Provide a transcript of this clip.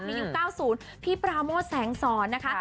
มียุค๙๐พี่ปราโมทแสงสอนนะคะ